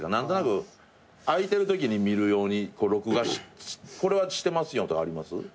何となく空いてるときに見る用に録画これはしてますよとかあります？